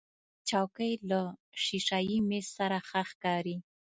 چوکۍ له شیشهيي میز سره ښه ښکاري.